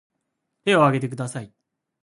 手を挙げてください